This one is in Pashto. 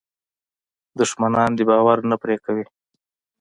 دښمنان دې باور نه پرې کوي.